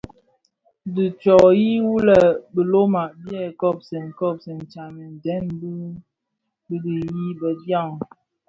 Dhi ntsoyi wu lè biloma biè kobsèn kobsèn tyamèn deň bi duň yi bëdiaň.